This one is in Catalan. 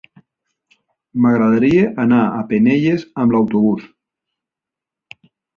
M'agradaria anar a Penelles amb autobús.